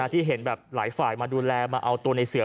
ที่เห็นแบบหลายฝ่ายมาดูแลมาเอาตัวในเสือ